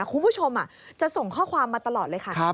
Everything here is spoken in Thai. คุณผู้ชมจะส่งข้อความมาตลอดเลยค่ะ